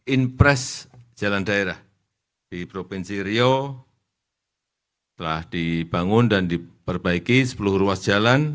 impres jalan daerah di provinsi riau telah dibangun dan diperbaiki sepuluh ruas jalan